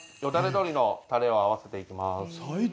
鶏のたれを合わせていきます。